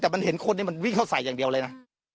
แต่มันเห็นคนนี้มันวิ่งเข้าใส่อย่างเดียวเลยนะ